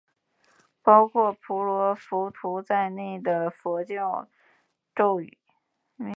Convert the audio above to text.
包括婆罗浮屠在内的佛教庙宇大约和印度教的湿婆神庙普兰巴南同时建造。